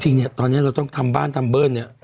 จริงเนี่ยตอนนี้เราต้องทำบ้านทำเบิ้ลเนี่ย